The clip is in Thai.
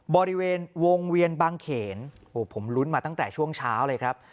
บริเวณวงเวียนบางเขนโอ้โหผมลุ้นมาตั้งแต่ช่วงเช้าเลยครับ